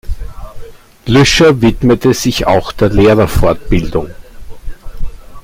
Lüscher widmete sich auch der Lehrerfortbildung.